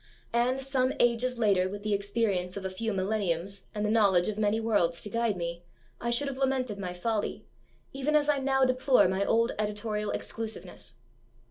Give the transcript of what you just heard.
And, some ages later, with the experience of a few millenniums and the knowledge of many worlds to guide me, I should have lamented my folly, even as I now deplore my old editorial exclusiveness.